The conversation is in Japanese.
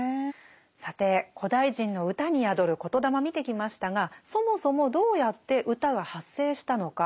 さて古代人の歌に宿る言霊見てきましたがそもそもどうやって歌が発生したのか。